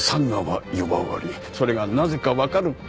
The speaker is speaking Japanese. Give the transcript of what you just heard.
それがなぜかわかるか？